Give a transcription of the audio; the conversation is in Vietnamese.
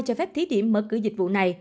cho phép thí điểm mở cử dịch vụ này